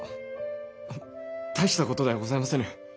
大したことではございませぬ。